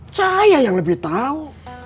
saya yang lebih tahu